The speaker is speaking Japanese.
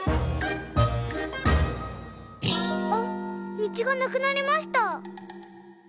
道がなくなりました。